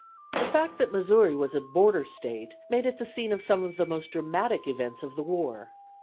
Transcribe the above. The fact that Missouri was a border State made it the scene of some of the most dramatic events of the war.